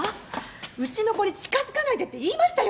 うちの子に近づかないでって言いましたよね？